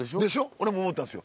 俺も思ったんですよ。